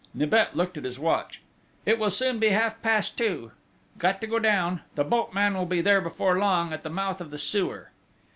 Nibet looked at his watch: "It will soon be half past two! Got to go down! The boatman will be there before long, at the mouth of the sewer!"